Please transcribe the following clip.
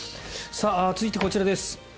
続いて、こちらです。